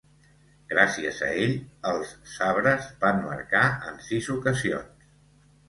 Gràcies a ell, els Sabres van marcar en sis ocasions.